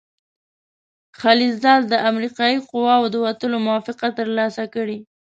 خلیلزاد د امریکایي قواوو د وتلو موافقه ترلاسه کړې.